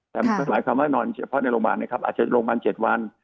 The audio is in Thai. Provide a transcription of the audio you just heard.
แต่หมายความว่านอนเฉพาะในโรงพยาบาลนะครับอาจจะโรงพยาบาล๗วัน